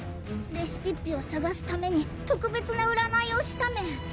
レシピッピをさがすために特別なうらないをしたメン